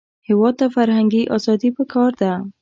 هېواد ته فرهنګي ازادي پکار ده